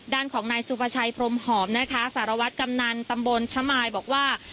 ด้านของนายสุภาชัยพรมหอมนะคะสารวัตรกำนันตำบลชะมายบอกว่า